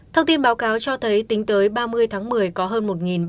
thông tin báo cáo cho thấy tính tới ba mươi tháng một mươi có hơn một trăm linh